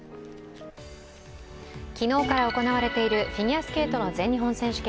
昨日から行われているフィギュアスケートの全日本選手権。